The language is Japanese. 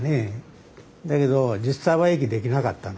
だけど実際は駅出来なかったの。